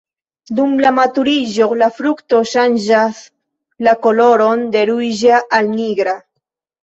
Dum la maturiĝo la frukto ŝanĝas la koloron de ruĝa al nigra.